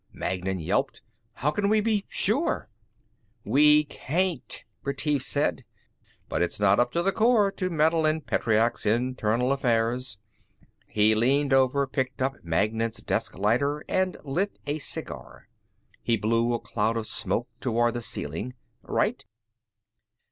_" Magnan yelped. "How can we be sure?" "We can't," Retief said. "But it's not up to the Corps to meddle in Petreacs' internal affairs." He leaned over, picked up Magnan's desk lighter and lit a cigar. He blew a cloud of smoke toward the ceiling. "Right?"